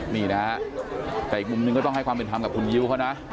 นี่นะฮะแต่อีกมุมหนึ่งก็ต้องให้ความเป็นธรรมกับคุณยิ้วเขานะ